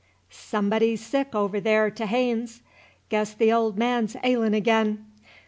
"Somebody sick over there t' Haynes's. Guess th' old man's ailin' ag'in.